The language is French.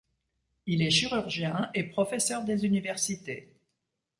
Il est chirurgien et professeur des universités.